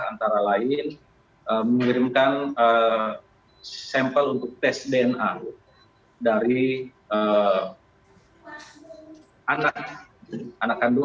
antara lain mengirimkan sampel untuk tes dna dari anak kandung